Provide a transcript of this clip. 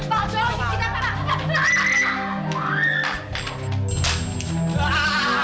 pak pak tolong kita parah